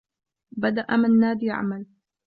بدأ منّاد يعمل.